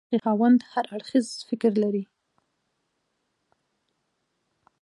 د ډي برخې خاوند هر اړخیز فکر لري.